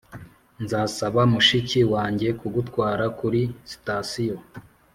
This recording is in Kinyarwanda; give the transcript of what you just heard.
nzasaba mushiki wanjye kugutwara kuri sitasiyo.